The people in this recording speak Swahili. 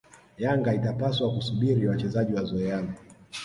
Yanga itapaswa kusubiri wachezaji wazoeane